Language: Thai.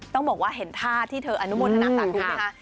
ต้องบอกว่าเห็นท่าที่เธออนุโมนทางการแพทย์นะฮะ